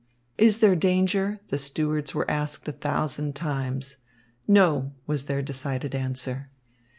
"Is there danger?" the stewards were asked a thousand times. "No," was the decided answer.